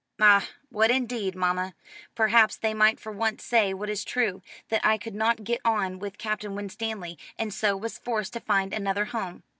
"Ah, what indeed, mamma. Perhaps, they might for once say what is true: that I could not get on with Captain Winstanley, and so was forced to find another home."